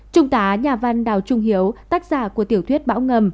trung tá nhà văn đào trung hiếu tác giả của tiểu thuyết bão ngầm